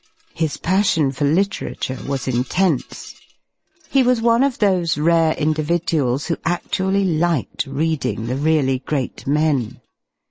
His passion for literature was intense. He was one of those rare individuals who adually liked reading the really great men.